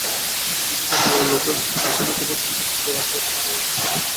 যিনি যতবড়ো লোকই হোক-না কেন, তবু সম্পর্কের জোর আছে এটা মনে রেখো।